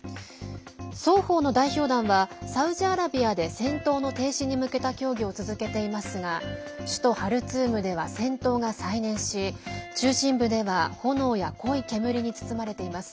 双方の代表団はサウジアラビアで戦闘の停止に向けた協議を続けていますが首都ハルツームでは戦闘が再燃し中心部では炎や濃い煙に包まれています。